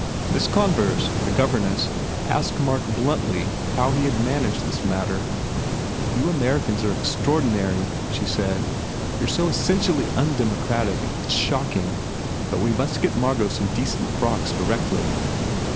Miss Converse, the gover ness, asked Mark bluntly how he had managed this matter. "You Americans are extraordinary," she said, "You re so so essentially undemocratic. It s shocking. But we must get Margot some decent frocks directly."